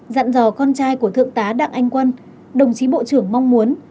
dặn dò con trai của thượng tá đặng anh quân đồng chí bộ trưởng mong muốn